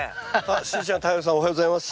しーちゃん太陽さんおはようございます。